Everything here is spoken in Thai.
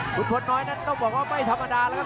คุณพลน้อยนั้นต้องบอกว่าไม่ธรรมดาแล้วครับ